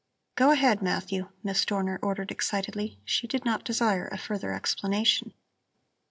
"Go ahead, Matthew," Miss Dorner ordered excitedly. She did not desire a further explanation.